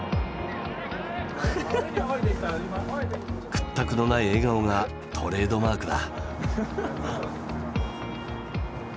屈託のない笑顔がトレードマークだ。